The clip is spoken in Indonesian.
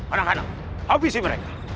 anak anak habisi mereka